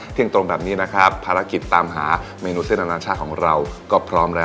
เที่ยงตรงแบบนี้นะครับภารกิจตามหาเมนูเส้นอนาชาติของเราก็พร้อมแล้ว